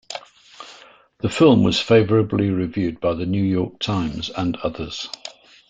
The film was favorably reviewed by "The New York Times" and others.